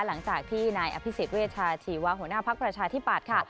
หลังจากที่นายอภิษฎเวชาชีวะหัวหน้าภักดิ์ประชาธิปัตย์ค่ะ